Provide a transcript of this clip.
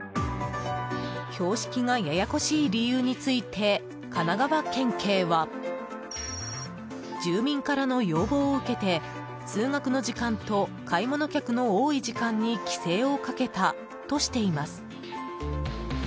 標識がややこしい理由について神奈川県警は住民からの要望を受けて通学の時間と買い物客の多い時間に規制をかけたとしています。